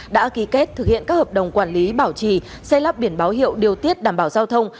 đã ký kết thực hiện các hợp đồng quản lý bảo trì xây lắp biển báo hiệu điều tiết đảm bảo giao thông